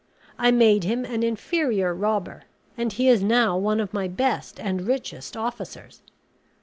I made him an inferior robber; and he is now one of my best and richest officers.